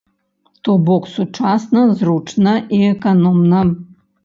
То бок сучасна, зручна і эканомна.